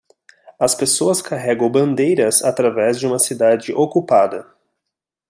As pessoas carregam bandeiras através de uma cidade ocupada